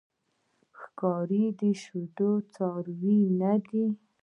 ښکاري د شیدو څاروی نه دی.